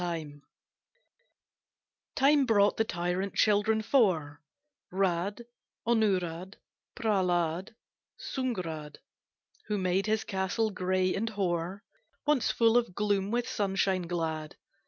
Time brought the tyrant children four, Rahd, Onoorahd, Prehlad, Sunghrad, Who made his castle gray and hoar, Once full of gloom, with sunshine glad.